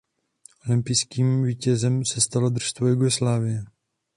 Olympijským vítězem se stalo družstvo Jugoslávie.